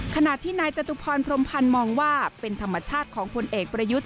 ขณะที่นายจตุพรพรมพันธ์มองว่าเป็นธรรมชาติของผลเอกประยุทธ์